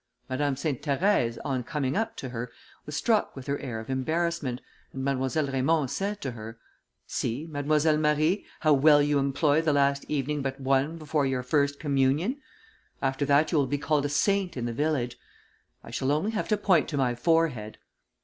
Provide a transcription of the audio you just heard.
Madame Sainte Therèse, on coming up to her, was struck with her air of embarrassment, and Mademoiselle Raymond said to her, "See, Mademoiselle Marie, how well you employ the last evening but one before your first communion! After that you will be called a saint in the village. I shall only have to point to my forehead."